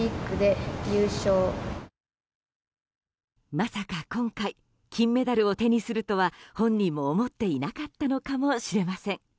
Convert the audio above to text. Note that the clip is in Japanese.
まさか今回金メダルを手にするとは本人も思っていなかったのかもしれません。